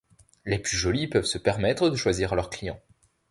Les plus jolies peuvent se permettre de choisir leur clients.